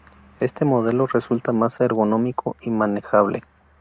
Este modelo resulta más ergonómico y manejable.